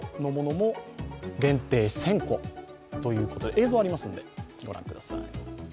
映像がありますんのでご覧ください。